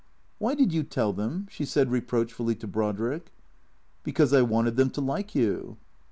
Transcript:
" Why did you tell them ?" she said reproachfully to Brod riek. " Because I wanted them to like you."